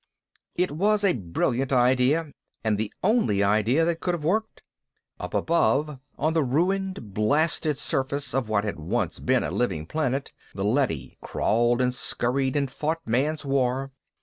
It was a brilliant idea and the only idea that could have worked. Up above, on the ruined, blasted surface of what had once been a living planet, the leady crawled and scurried, and fought Man's war.